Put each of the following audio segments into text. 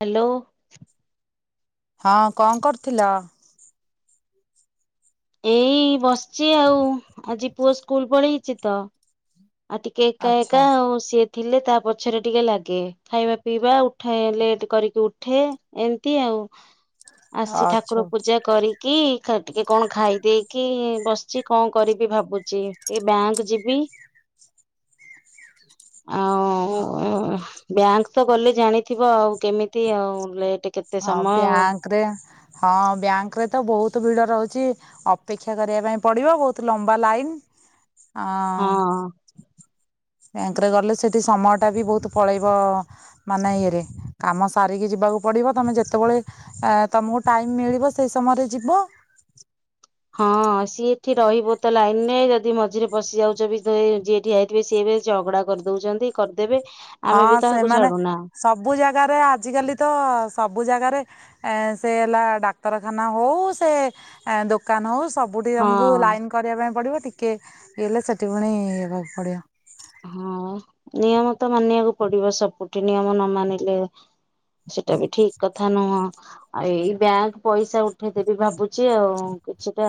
Hello. ହଁ କଣ କରୁଥିଲ। ଏଇ ବସ୍ୁ ଆଉ ଆଜି ପୁଅ ସ୍କୁଲ ପଢେଇଛି ତ ଆତି କେ କ ଆଚ୍ଛା ଏକ ସେ ଥିଲେ ତା ପଛରେ ଟିକେ ଲାଗେ ଖାଇବା ପିଇବା ଉଠା ଲେଟ କରିକି ଉଠେ ଏମିତି ଆଉ। ଆସି ଅଛୁ ଠାକୁର ପୂଜା କରିକି ଟିକେ କଣ ଖାଇଦେଇକି ବସିଛି କଣ କରିବି ଭାବୁଛି ଟିକେ ବ୍ୟାଙ୍କ ଯିବି। ହ ହଁ। ବ୍ୟାଙ୍କ ତ ଗଲେ ଜାଣିଥିବ ଆଉ କେମିତି ଆଉ। କେତେ ହଁ ସମୟ ବ୍ୟାଙ୍କ ରେ ହଁ ବ୍ୟାଙ୍କ ରେ ତ ବହୁତ ବ ଭିଡ ରହୁଛି ଅପେକ୍ଷା କରିବା ପାଇଁ ପଡିବ ବହୁତ ଲମ୍ବା ଲାଇନ ହଁ। ବ୍ୟାଙ୍କରେ ଗଲେ ସେଠି ସମୟଟା ବି ବହୁତ ପଳେଇବ ମାନେ ଇଏରେ କାମ ସାରିକି ଯିବାକୁ ପଡିବ ତମେ ଯେତେବେଳେ ତମକୁ ଟାଇମ ମିଳିବ ସେଇ ସମୟରେ ଯିବ। ହଁ ସିଏ ଏଠି ରହିବ ତ ଲାଇନରେ ଯଦି ମଝିରେ ପଶି ଯାଉଛ ଯିଏଠି ହେଇଥିବେ ସିଏ ବି ସେଝଗଡ଼ା କରିଦଉଛନ୍ତି କରି ହଁ ସେମାନେ ସବୁ ଜାଗାରେ ଆଜିକାଲି ତ ସବୁ ଜାଗାରେ ଏ ସେ ହେଲା ଡାକ୍ତରଖାନା ହଉ ସେ ଦୋକ ଦୋକାନ ହଉ ସବୁଠି ହଁ ତମକୁ ଲାଇନ କରିବା ପାଇଁ ପଡିବ ଟିକେ ହେଲେ ସେଠି ପୁଣି ହେବାକୁ ପଡିବ ହଁ ନିୟମ ତ ମାନିବାକୁ ପଡିବ ସବୁଠି ନିୟମ ନ ମାନିଲେ ସେଟା ବି ଠିକ କଥା ନୁହଁ ଆଉ ଏଇ ବ୍ୟାଙ୍କ ପଇସା ଉଠେଇଦେବି ଭାବୁଛି ଆଉ କିଛିଟା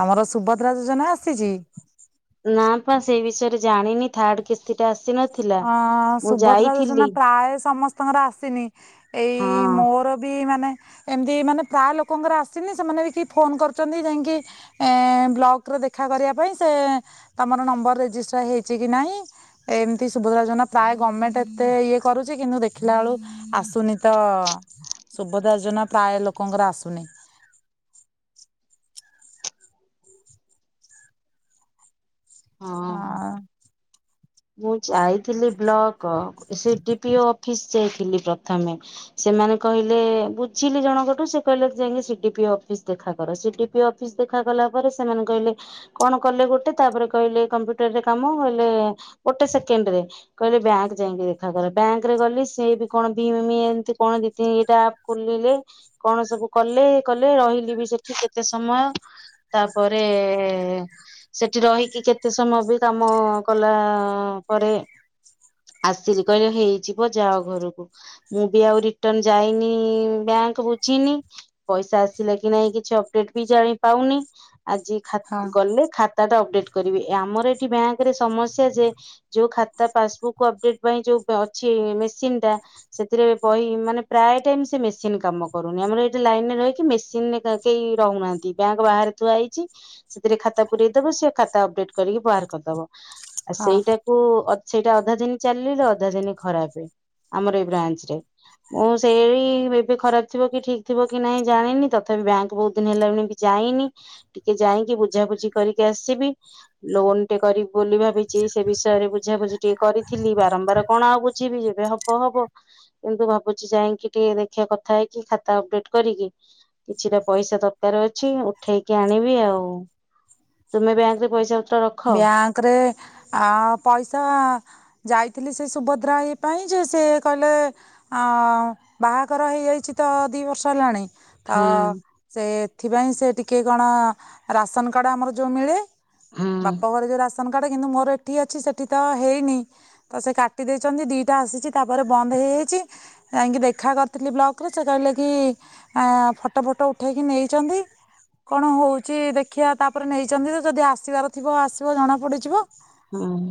ତମର ସୁଭଦ୍ରା ଯୋଜନା ଆସିଛି ନା ପା ସେଇ ବିଷୟରେ ଜାଣିନି ଥାର୍ଡ କିସ୍ତି ଟା ଆସିନଥିଲା ଅଁ ମୁଁ ସୁଭଦ୍ରା ଯୋଜନା ଯାଇଥିଲି ପ୍ରାୟ ସମସ୍ତଙ୍କର ଆସିନି ହଁ ଏଇ ମୋର ବି ମାନେ ଏମିତି ମାନେ ପ୍ରାୟ ଲୋକଙ୍କର ଆସିନି ସେମାନେ ବି କି ଫୋନ୍ କରୁଛନ୍ତି ଯାଇକି ବ୍ଲକରେ ଦେଖା କରିବା ପାଇଁ ସେ ତମର ନମ୍ବର ରେଜିଷ୍ଟର୍ ହେଇଛି କି ନାହିଁ ଏ ସୁଭଦ୍ରା ଯୋଜନା ପ୍ରାୟ ଗଭର୍ଣମେଣ୍ଟ ଏତେ ଇଏ କରୁଛି କିନ୍ତୁ ଦେଖିଲା ବେଳୁ ଆସୁନି ତ ସୁଭଦ୍ରା ଯୋଜନା ପ୍ରାୟ ଲୋକଙ୍କର ଆସୁନି ହଁ ମୁଁ ଯାଇଥିଲି ବ୍ଲକ କ ସେି ଡି ପିଓ ଅଫିସ ଯାଇ ଥିଲି ପ୍ରଥମେ ସେମାନେ କହିଲେ ବୁଝିଲି ଜଣଙ୍କଠୁ ସେ କହିଲେ ଯାଇକି ସିଡି ପି ଅଫିସ ଦେଖା କର ସିଡି ପି ଅଫିସ ଦେଖା କଲା ପରେ ସେମାନେ କହିଲେ କଣ କଲେ ଗୋଟେ ତାପରେ କହିଲେ କମ୍ପ୍ୟୁଟରରେ କାମ କହିଲେ ଗୋଟେ ସେକେଣ୍ଡ ରେ କହିଲେ ବ୍ୟାଙ୍କ ଯାଇକି ଦେଖା କର ବ୍ୟାଙ୍କରେ ଗଲି ସିଏ ବି କଣ ଭିମ ମି ଏମତି କଣ ଦି ତିନି ଦିଟା ଆପ ଖୋଲିଲେ କଣ ସବୁ କଲେ କଲେ ରହିଲି ବି ସେଠି କେତେ ସମୟ ତାପରେ ସେଠି ରହିକି କେତେ ସମୟ ବି କାମ କଲା ପରେ ଆସିଲି କହିଲେ ହେଇଯିବ ଯାଅ ଘରକୁ ମୁଁ ବି ଆଉ ରିଟର୍ଣ ଯାଇନି ବ୍ୟାଙ୍କ ବୁଝିନି ପଇସା ଆସିଲା କି ନାଇଁ କିଛି ଅପଡେଟ ବି ଜାଣିପଉନି ଆଜି ହଁ ଗଲେ ଖାତା ଟା ଅପଡେଟ୍ କରିବି ଆମର ଏଠି ବ୍ୟାଙ୍କ ରେ ସମସ୍ୟା ଯେ ଯୋଉ ଖାତା ପାସବୁକ୍ ଅପଡେଟ ପାଇଁ ଯୋଉ ଅଛି ମେସିନ ଟା ସେଥିରେ ବହି ମାନେ ପ୍ରାୟ ଟାଇମ ସେ ମେସିନ କାମ କରୁନି ଆମର ଏଇଠି ଲାଇନରେ ରହିକି ମେସିନ କେହି ରହୁନାହାନ୍ତି ବ୍ୟାଙ୍କ ବାହାରେ ଥୁଆ ହେଇଛି ସେଥିରେ ଖାତା ପୁରରେଇ ଦବ ସେ ଖାତା ଅପଡେଟ କରିକି ବାହାର କରିଦବ ହଁ ସେଟା ଅଧା ଦିନ ଚାଲ ଅଧା ଦିନ ଖରାପ ଆମର ଏଇ ବ୍ରାଞ୍ଚ ରେ ମୁଁ ସେଇ ଏବେ ଖରାପ ଥିବ କି ଠିକ ଥିବ କି ନହିଁ ଜାଣିନି ତଥାପି ବ୍ୟାଙ୍କ ବହୁତ ଦିନ ହେଲା ଯାଇନି ଟିକେ ଯାଇକି ବୁଝାବୁଝି କରିକି ଆସିବି ଲୋନ ଟେ କରିବି ବୋଲି ଭାବି ସେ ବିଷୟରେ ବୁଝାବୁଝି ଟିକେ କରି ଥିଲି ବାରମ୍ବାର କଣ ଆଉ ବୁଝିବି ଏ ହବ ହବ କିନ୍ତୁ ଭାବୁଛି ଯାଇକି ଟିକେ ଦେଖିବା କଥା ହେଇକି ଖାତା ଅପଡେଟ କରିକି କିଛିଟା ପଇସା ଦରକାର ଅଛି ଉଠେଇକି ଆଣିବି ଆଉ ତୁମେ ବ୍ୟାଙ୍କ ରେ ପଇସା ପତ୍ର ରଖ ବ୍ୟାଙ୍କ ରେ ଆ ପଇସା ଯାଇ ଥିଲି ସେ ସୁଭଦ୍ରା ହେ ପାଇଁ ଯେ ସେ କହିଲେ ବାହାଘର ହେଇଯାଇଛି ତ ଦୁଇ ବର୍ଷ ହେଲାଣି ତ ହୁଁ ସେ ଏଥିପାଇଁ ସେ ଟିକେ କଣ ଅ ରାସନକାର୍ଡ ଆମର ଯୋଉ ମିଳେ ହୁଁ ବାପା ଘର ଯୋଉ ରା କଡେ କିନ୍ତୁ ମୋର ଏଠି ଅଛି ସେଠି ତ ହେଇନି ତ ସେ କାଟିଦେଇଛନ୍ତି ଦିଟା ଆସିଚି ତାପରେ ବନ୍ଦ ହେଇଯାଇଛି ଯାଇଁକି ଦେଖା କରିଥିଲି ବ୍ଲକ ରେ ସେ କହିଲେ କି ଅ ଫଟ ଫଟ ଉଠେଇକି ନେଇଛନ୍ତି କଣ ହୋଉଚି ଦେଖିଆ ତାପରେ ନେଇଛନ୍ତିତ ଯଦି ଆସିବାର ଥିବ ଆସିବ ଜଣାପ ପଡ଼ିଯିବ ହଁ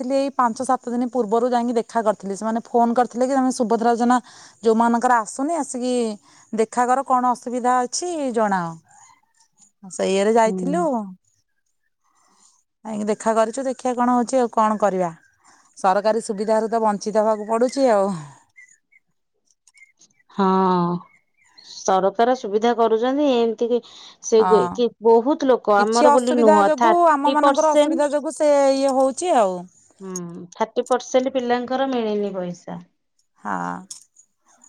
ଥିଲି ଏଇ ପାଞ୍ଚ ସାତ ଦିନ ପୂର୍ବରୁ ଯାଇକି ଦେଖା କରିଥିଲି ସେମାନେ ଫୋନ କରିଥିଲେ କି ତମେ ସୁଭଦ୍ରାଚନା ଯୋଉମାନଙ୍କର ଆସୁନି ଆସିକି ଦେଖା କର କଣ ଅସୁବିଧା ଅଛି ଜଣାଅ ସେଇୟରେ ହୁଁ ଯାଇଥିଲୁ ଆାଇକ ଦେଖା କରିଛୁ ଦେଖିବା କଣ ହଉଛି ଆଉ କଣ କରିବା ସରକାରୀ ସୁବିଧାାରୁ ତ ବଞ୍ଚିତ ହବାକୁ ପଡୁଛି ଆଉ ହଁ ସରକାର ସୁବିଧା କରୁଛନ୍ତି ଏମିତି କି ସେ ହଁ କି ବହୁତ ଲୋକ କିଛି ଆମର ବୋଲି ଅସୁବିଧା ନୁହଁ ଯୋଗୁ ଆମ ଥାର୍ଟି ମାନଙ୍କର ଅସୁବିଧା ପରସେଣ୍ଟ ଯୋଗୁ ସେ ଇଏ ହଉଛି ଆଉ ହୁଁ ଥାର୍ଟି ପରସେଣ୍ଟ ପିଲାଙ୍କର ମିଳିନି ପଇସା ହଁ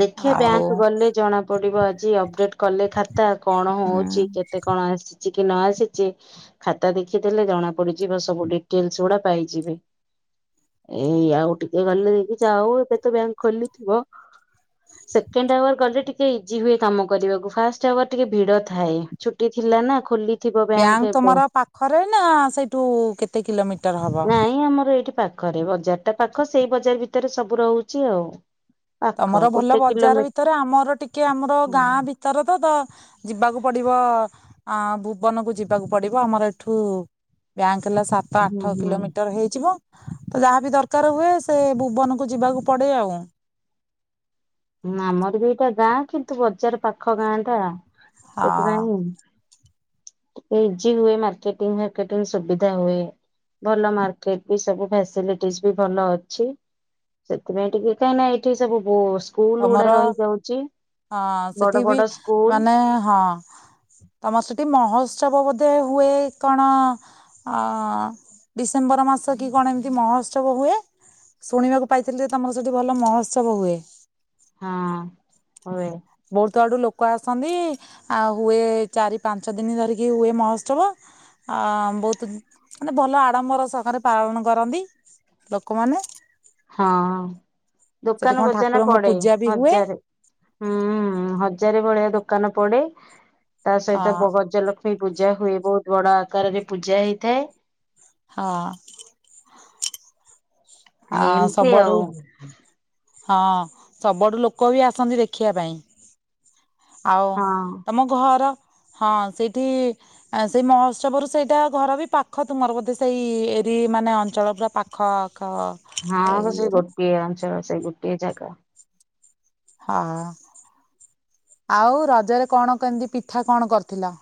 ଦେଖେ ଆଉ ବ୍ୟାଙ୍କ ଗଲେ ଜଣା ପଡିବ ଆ ଜ ଅପଡେଟ କଲେ ଖାତା କଣ ହୁଁ ହଉଛି କେତେ କଣ ଆସିଛି କି ନ ଆସିଛି ଖାତା ଦେଖିଦେଲେ ଜଣା ପଡିଯିବ ସବୁ ଡିଟେଲସ ଗୁଡା ପାଇଯିବେ ଏଇ ଆଉ ଟିକେ ଗଲେକି ଯା ଏବେ ତ ବ୍ୟାଙ୍କ ଖୋଲିଥିବ ସେକେଣ୍ଡ ଆୱାର ଗଲେ ଟିକେ ଇଜି ହୁଏ କାମ କରିବାକୁ ଫାଷ୍ଟ ଆୱାର ଟିକେ ଭିଡ ଥାଏ ଛୁଟି ଥିଲା ନା ଖୋଲି ବ୍ୟାଙ୍କ ତମର ପାଖରେ ନା ସେଇଠୁ କେତେ କିଲୋମିଟର ହବ ନାଇଁ ଆମର ଏଇଠି ପାଖରେ ବଜାର ଟା ପାଖ ସେଇ ବଜାର ଭିତରେ ସବୁ ରହୁଛି ଆଉ ପାଖ ତମର ଭଲ ଗୋଟେ ବଜାର କିଲୋମିଟର ଭିତରେ ଆମର ଟିକେ ଆମର ହୁଁ ଗାଁ ଭିତରେ ତ ତ ଯିବାକୁ ପଡ ଭୁବନକୁ ଯିବାକୁ ପଡ ଆମରଠୁଙ୍କ ହେଲା ସାତ ଆଠ ହୁଁ। କିଲୋମିଟର ହେଇଯିବ ତ ଯାହା ବିି ଦରକାର ହୁଏ ସେ ଭୁବନକୁ ଯିବାକୁ ପଡେ ଆଉ ଆମର ବି ଏଇଟା ଗାଁ କିନ୍ତୁ ବଜାର ପାଖ ଗାଁ ଟା ହଁ ସେଥିପାଇଁ କେଯି ହୁଏ। ମାର୍କେଟି ଫାର୍କେଟିଂ ସୁବିଧା ହୁଏ। ଭଲ ମାର୍କେଟ ବି ସବୁ ଫସିଲିଟି ବି ଭଲ ଅଛି, ସେଥିପାଇଁ ଟିକେ କାହିଁ ଏଇଠି ସବୁ ସ୍କୁଲ ଗୁଡା ତମର ରହିଯାଉଛି ହଁ ବଡ ସେଠି ବି ବଡ ସ୍କୁଲ ମାନେ ହଁ ତମର ସେଠି ମହ ଉତ୍ସବ ବୋଧେ ହୁଏ କଣ ଅ ଡିସେମ୍ବର ମାସ କି କଣ ଏମିତି ମହୋତ୍ସବ ହୁଏ। ଶୁଣିବାକୁ ପାଇଥିଲି ଯେ ତମର ସେଠି ଭଲ ମହୋତ୍ସବ ହୁଏ। ହଁ ହଏ ବହୁତ ଆଡୁ ଲୋକ ଆସନ୍ତି ଆ ହୁଏ। ଚାରି ପାଞ୍ଚ ଦିନ ଧରିକି ହୁଏ। ମହୋତ୍ସବ ଆ ବହୁତ ମାନେ ଭଲ ଆଡମ୍ବର ସଖରେ ପାଳନ କରନ୍ତି ଲୋକମାନେ। ହଁ ସେଠି ଦୋକାନ କଣ ବୋଜାନ ଠାକୁରଙ୍କ ପଡେ ପୂଜା ବି ହୁଏ ହଜାରେ ହୁଁ ହଁ ହଜାରେ ଭଳିଆ ଦୋକାନ ପଡେ ତା ହଁ ସହିତ ବଗଜାଲ ପୂଜା ହୁଏ ବହୁତ ବଡ ଆକାରରେ ପୂଜା ହେଇଥାଏ। ହଁ ଆ ଏମତି ସବୁଆଡୁ ଆଉ ହଁ ସବୁଠୁ ଲୋକ ବି ଆସନ୍ତି ଦେଖିବା ପାଇଁ ଆଉ ହଁ ତମ ଘର ହଁ ସେଇଠି ସେଇ ମହୋତ୍ସବରୁ ସେଇଟା ଘର ବି ପାଖ ତୁମର ବୋଧେ ସେଇ ଏରି ମାନେ ଅଞ୍ଚଳ ପୁରା ପାଖ ହଁ ସେଇ ଇଏର ଗୋଟିଏ ଅଞ୍ଚଳ ସେଇ ଗୋ କେଏ ଜାଗା ହଁ ଆଉ ରଜରେ କଣ କେମିତି ପିଠା କଣ କରିଥିଲ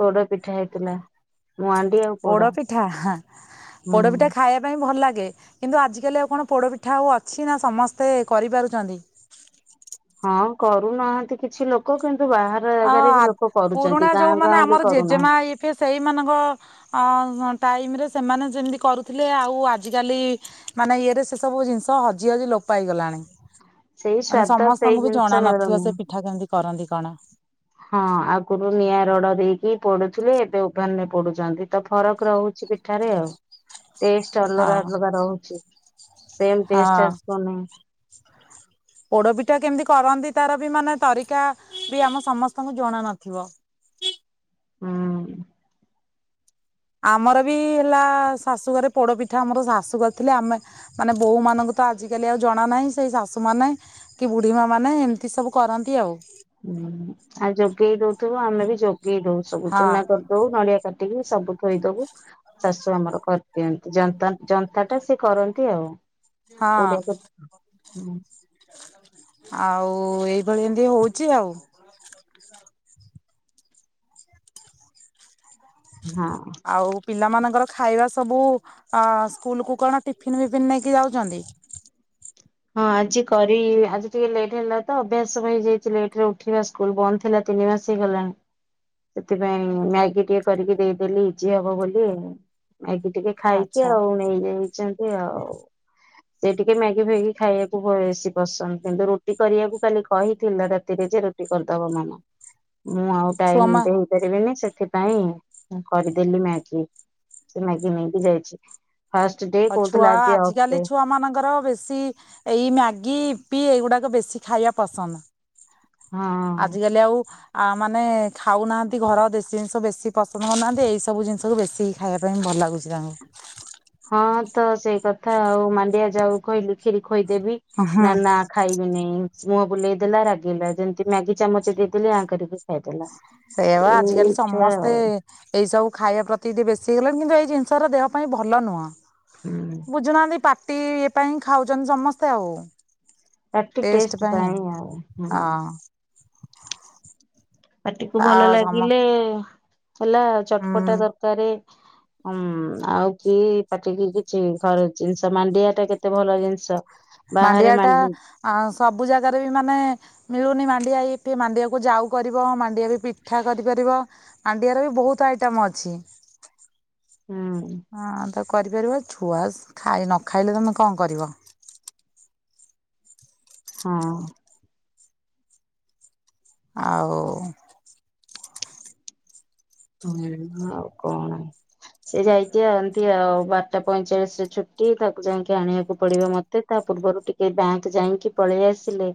ପୋଡ଼ା ପିଠା ହେଇଥିଲା। ମୁହାଣ୍ଡି ଆଉ ପୋଡ ପୋଡପିଠା ହୁଁ। ପୋଡପିଠା ଖାଇବା ପାଇଁ ଭଲ ଲାଗେ କିନ୍ତୁ ଆଜିକାଲି ଆଉ କଣ ପୋଡ ପିଠା ହଉ ଅଛି ନା ସମସ୍ତେ କରିପାରୁଛନ୍ତି। ହଁ କରୁନାହାନ୍ତି କିଛି ଲୋକ କିନ୍ତୁ ବାହାର ଆ ଜାଗାରେ ବି ଲୋକ କରୁଛନ୍ତି ପୁରୁଣା ଗାଁ ଯୋଉମାନୋନ ଗାଉଁଲି ଆମର ଜେଜେମା କରୁନାହାନ୍ତି। ଇଏ ସେଇମାନାନଙ୍କ ଅ ଟାଇମ ରେ ସେମାନେ ଯେମିତି କରୁଥିଲେ। ଆଉ ଆଜିକାଲି ମାନେ ଇଏରେ ସେସବୁ ଜିନିଷ ହଜି ହଜି ଲୋପ ହେଗଲାଣି ସେଇ ମାନେ ସ୍ଵାଦ ସେଇ ସମସ୍ତଙ୍କୁ ବି ଜିନିଷ ଜଣା ନଥିବ ମିଳୁନି ସେ ପିଠା କେମିତି କ ଦ ଗାଣ ହଁ ଆଗରୁ ନିଆଁ ରଡ ଦେଇକି ପଡୁଥିଲେ। ଏବେ ଉଭାନରେ ପଡୁଛନ୍ତି ତ ଫରକ ରହୁଛି ପିଠାରେ ଆଉ ଟେଷ୍ଟ ଅଲଗା ହଁ ଅଲଗା ରହୁଛି ସେମ୍ ଟେଷ୍ଟ ଆସନି ପୋଡପିଠା କେମିତି କରନ୍ତି ତାର ବି ମାନେ ତରିକା ବି ଆମ ସମସ୍ତଙ୍କୁ ଜଣା ନଥିବ। ହୁଁ। ଆମର ବି ହେଲା ଶାଶୁଘରେ ପୋଡପିଠା ଆମର ଶାଶୁ କରିଥିଲେ ଆମେ ମାନେ ବୋଉ ମନଙ୍କୁ ତ ଆଜିକାଲି ଆଉ ଜଣା ନାହିଁ ସେଇ ଶାଶୁମାନେ କି ବୁଢ଼ୀମା ମାନେ ଏମିତି ସବୁ କରନ୍ତି ଆଉ। ହୁଁ ଆଉ ଯୋଗେଇ ଦଉ। ିବୁ ଆମ ବି ଯୋଗ [unintelligible] ଯୋଗେଇ ଦଉ ସବୁ ହଁ ଚୁନା କରିଦଉ ନଡ଼ିଆ କା ଠିକି ସବୁ ଥୋଇଦବୁ ଶାଶୁ ଆମର କରିଦିଅନ୍ତି ଜନ୍ତା ଜନ୍ତା ଟା ସେଏ କରନ୍ତି ଆଉ। ହଁ ପଡ କ [unintelligible] ହୁଁ ଆଉ ଏଇଭଳି ଏମିତି ହଉଛି ଆଉ। ହଁ ଆଉ ପିଲାମାନଙ୍କ ତାଙ୍କର ଖାଇବା ସବୁ ଅମସ୍କୁଲ କୁ କଣ ଟିଫିନ ବିଫନ୍ ନେଇକି ଯାଉଛନ୍ତି ହଁ ଆଜି କରି ଆଜି ଟିକେ ଲେଟ୍ ହେଲା ତ ଅଭ୍ୟାସ ହୋଇଯାଇଛି ଲେଟରେ ଉଠିବା ସ୍କୁଲ ବନ୍ଦ ଥିଲା ତିନି ମାସ ହେଇଗଲାଣି ସେଥିପାଇଁ ମ୍ୟାଗି ଟିକେ କରିକି ଦେଇଦେଲି ଇଜି ହବ ବୋଲି। ମ୍ୟାଗି ଟିକେ ଖାଇକି ଆଚ୍ଛା ଆଉ ନେଇଯାଇଚନ୍ତି ଆଉ। ସେ ଟିକେ ମ୍ୟାଗି ପ୍ୟାଗି ଖାଇବାକୁ ବେଶୀ ପସନ୍ଦ କିନ୍ତୁ ରୁଟି କରିବାକୁ ଖାଲି କହିଥିଲା ରାତିରେ ଯେ ରୁଟି କରିଦବ ମାମା। ମୁଁ ଆଉ ଛୁଆ ଟାଇମ ମା ଦେଇପାରିବିନି ସେତ୍ ସେଥିପାଇଁ ମୁଁ କରିଦେଲି ମ୍ୟାଗି ସେ ମ୍ୟାଗି ନେଇକି ଯାଇଛି। ଫାଷ୍ଟ ଡେ ଅ ଛୁଆ କହୁଥିଲା ଆଜି ଅଫ୍ ଆଜିକାଲି ଡେ ଛୁଆ ମାନଙ୍କର ବେଶୀ ଏଇ ମ୍ୟାଗି ପି ଏଇଗୁଡ଼ାକ ବେଶୀ ଖାଇବା ପସନ୍ଦ। ହଁ। ଆଜିକାଲି ଆଉ ଉ ମାନେ ଏ ଖାଉନାହାନ୍ତି ଘର ଦେଶୀ ଜିନିଷ ବେଶୀ । ପସନ୍ଦ କରୁନାହାନ୍ତି ଏଇ ସବୁ ଜିନିଷକୁ ବେଶୀ ଖାଇବା ପାଇଁ ଭଲ ଲାଗୁଛି ତାଙ୍କୁ। ହଁ ତ ସେଇ କଥା ଆଉ ମାଣ୍ଡିଆ ଜାଉ କଇଲୁ ଖୀର୍ ଖୋଇଦେବି ହଁ। ନା ନା ଖାଇବିନି। ମୁହଁ ବୁଲେଇ ଦେଲା ରାଗିଇଲା ଯେମିତି ମ୍ୟାଗି ଚାମଚ ଦେଇଦେଲି ଆଁ କରିକି ଖାଇଦେଲା। ସେଇଆ ବା ଆଜିକାଲି ଏଇ ଛୁଆ ସମସ୍ତେ ଆଉ ଏଇ ସବୁ ଖାଇବା ପ୍ରତି ଟିକେ ବେଶୀ ହେଇଗଲେଣି କିନ୍ତୁ ଏଇ ଜିନିଷର ଦେହ ପାଇଁ ଭଲ ନୁହଁ। ହୁଁ। ବୁଝନାନ୍ତି ପା ଟି ଇ ପାଇଁ ଖାଉଛନ୍ତି ସମସ୍ତେ ଆଉ। ପାଟି ଟେଷ୍ଟ ପାଇଁ ଆଉ ହୁଁ ହଁ ପାଟିକୁ ଆ ଭଲ ସମ ଲାଗିଲେ ଏ ହେଲା ଚଟପଟା ହୁଁ ଦରକାରେ। ଅମ୍ ଆଉ କି ପାଟିକି କିଛି ଘର ଜିନିଷ ମାଣ୍ଡିଆ ଟା କେତେ ଭଲ ଜିନିଷ। ବାହାରେ ମାଣ୍ଡିଆ ଟା ମାଣ୍ଡି ହୁଁ ସବୁ ଜାଗାରେ ବି ମାନେ ମିଳୁନି ମାଣ୍ଡିଆ ମାଣ୍ଡିଆକୁ ଯାଉ କରିବ ମା ଆ ବି ପିଠା କରିପାରିବ ମାଣ୍ଡିଆ ର ବି ବହୁତ ଆଇଟମ ଅଛି ହଁ କରିପାରିବ ଛୁଆ ଖାଇ ନ ଖାଇଲେ ତମେ କଣ କରିବ ହଁ ଆଉ ହୁଁ ଆଉ କଣ ସେ ଯାଇଛି ଏନ୍ତି ଆଉ ବାରଟା ପଇଁଚାଳିଶ ରେ ଛୁଟି ତାକୁ ଯାଇକି ଆଣିବାକୁ ପଡିବ ମତେ ତା ପୂର୍ବରୁ ଟିକେ ବ୍ୟାଙ୍କ ଯାଇକି ପଳେଇ ଆସିଲେ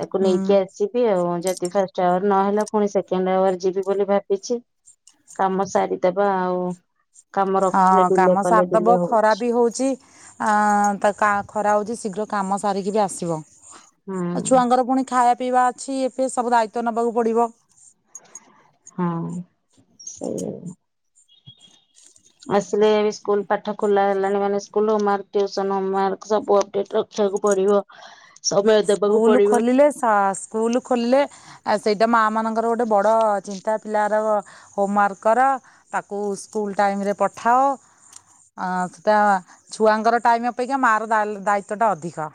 ତାକୁ ହୁଁ ନେଇକି ଆସିବି ଆଉ ଯଦି ଫାଷ୍ଟ ଆୱାର ନହେଲା ପୁଣି ସେକେଣ୍ଡ ଆୱାର ଯିବି ବୋଲି ଭାବିଛି କାମ ସାରିଦବା ଆଉ କାମ ରଖିଲେ ହଁ ଡିଲେ କାମ କଲେ ଡିଲେ ସାରିଦବ ଖରା ହଉଛି ବି ହଉଛି ଆ ତା ଖରା ହଉଛି ଶୀଘ୍ର କାମ ସାରିକି ବି ଆସିବ ହୁଁ ଆଉ ଛୁଆଙ୍କର ପୁଣି ଖାଇବା ପିଇବା ଅଛି ଏବେ ସବୁ ଦାୟିତ୍ୱ ନେବାକୁ ପଡିବ ହଁ ସେଆ ଆସିଲେ ଏ ସ୍କୁଲ ପାଠ ଖୋଲା ହେଲାଣି ମାନେ ସ୍କୁଲ ହୋମୱର୍କ ଟିୟୁସନ ହୋମୱର୍କ ସବୁ ଅପଡେଟ ରଖିବାକୁ ପଡିବ ସମୟ ଦେବାକୁ ସ୍କୁଲ ପଡିବ ଖୋଲିଲେ ସ୍କୁଲ ଖୋଲିଲେ ସେଇଟା ମା ମାନଙ୍କର ଗୋଟେ ବଡ ଚିନ୍ତା ସେ ତା ପିଲାର ହୋମୱାର୍କ କର ତାକୁ ସ୍କୁଲ ଟାଇମରେ ପଠାଅ ସେଟ ଛୁଆଙ୍କର ଟାଇମ ଅପେକ୍ଷା ମାର ଦାୟିତଵଟା ଅଧିକ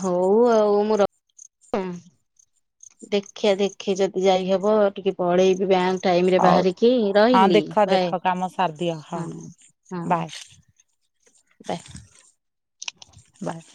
ହଉ ଆଉ ମୁଁ ର ହଁ ଦେଖିଆ ଦେଖି ଯଦି ଯାଇ ହବ ଟିକେ ପଳେଇବି ବ୍ୟାଙ୍କ ଟାଇମରେ ହଉ ବାହାରିକି ହଁ ରହିଲି ଦେଖ ବା ଦେଖ କାମ ସାରିଦିଅ ହଁ ହଁ ବାଏ ବା ବାସ୍